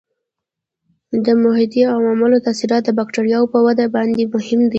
د محیطي عواملو تاثیرات د بکټریاوو په وده باندې مهم دي.